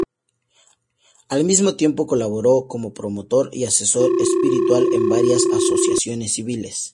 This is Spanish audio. Al mismo tiempo colaboró como promotor y asesor espiritual en varias asociaciones civiles.